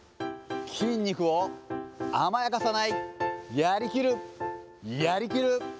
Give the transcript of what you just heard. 筋肉を甘やかさない、やりきる、やりきる。